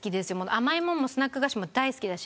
甘いものもスナック菓子も大好きだし。